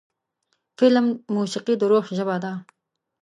د فلم موسیقي د روح ژبه ده.